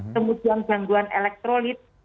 kemudian gangguan elektrolit